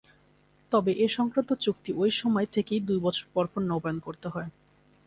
তবে এ সংক্রান্ত চুক্তি ওই সময় থেকেই দু বছর পরপর নবায়ন করতে হয়।